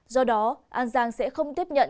do đó an giang sẽ không tiếp nhận